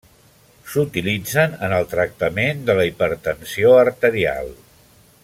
S'utilitzen en el tractament de la hipertensió arterial.